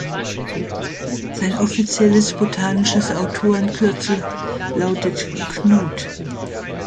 Sein offizielles botanisches Autorenkürzel lautet „Knuth“.